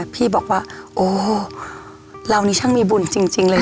พี่บอกว่าโอ้เรานี่ช่างมีบุญจริงเลยนะ